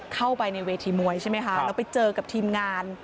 เข้าไปในเวทีมวยใช่ไหมคะแล้วไปเจอกับทีมงาน